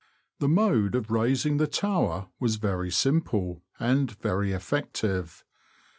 The mode of razing the tower was very simple and very effective.